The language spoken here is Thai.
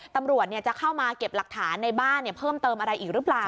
ตำรวจจะเข้ามาเก็บหลักฐานในบ้านเพิ่มเติมอะไรอีกหรือเปล่า